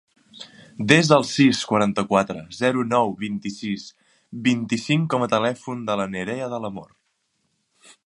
Desa el sis, quaranta-quatre, zero, nou, vint-i-sis, vint-i-cinc com a telèfon de la Nerea Del Amor.